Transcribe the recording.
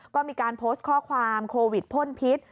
ก็มีการโพสต์ข้อความโควิดพ่นพิษ